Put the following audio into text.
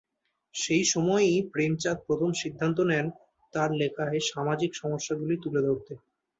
সেই সময়ই প্রেমচাঁদ প্রথম সিদ্ধান্ত নেন তার লেখায় সামাজিক সমস্যাগুলি তুলে ধরতে।